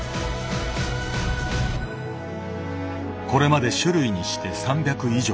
これまで種類にして３００以上。